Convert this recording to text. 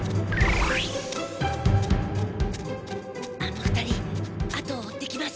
あの２人あとを追ってきます。